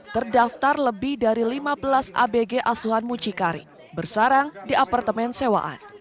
terdaftar lebih dari lima belas abg asuhan mucikari bersarang di apartemen sewaan